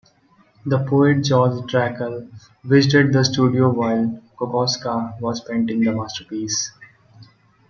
The poet Georg Trakl visited the studio while Kokoschka was painting this masterpiece.